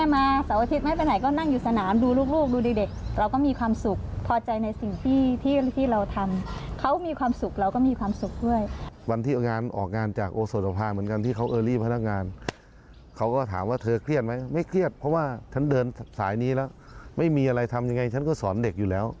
ไม่มีอะไรทำยังไงฉันก็สอนเด็กอยู่แล้ว